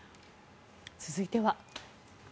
続いては。